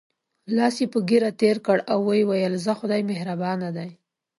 لاس یې په ږیره تېر کړ او وویل: ځه خدای مهربان دی.